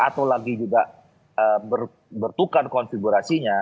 atau lagi juga bertukar konfigurasinya